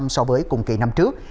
so với cùng kỳ năm trước